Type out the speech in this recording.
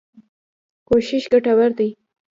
کوښښ ګټور دی.